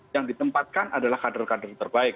yang ditempatkan adalah kader kader terbaik